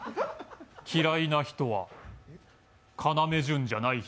嫌いな人は、要潤じゃない人。